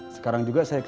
sekarang juga saya kembali